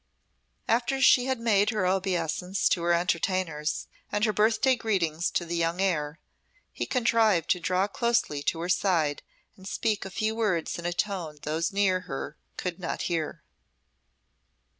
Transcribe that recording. After she had made her obeisance to her entertainers, and her birthday greetings to the young heir, he contrived to draw closely to her side and speak a few words in a tone those near her could not hear.